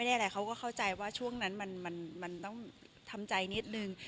อะไรเขาก็เข้าใจว่าช่วงนั้นมันต้องทำใจนิดนึง